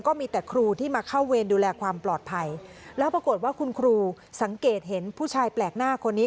ก็มีแต่ครูที่มาเข้าเวรดูแลความปลอดภัยแล้วปรากฏว่าคุณครูสังเกตเห็นผู้ชายแปลกหน้าคนนี้